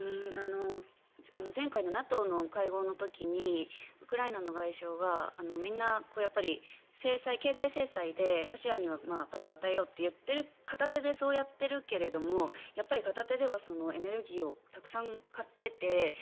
前回のＮＡＴＯの会合の時にウクライナの外相がみんな経済制裁でロシアに罰を与えようと片手でそうやっているけれども片手ではエネルギーをたくさん買ってて。